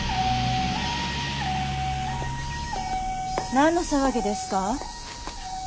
何の騒ぎですか？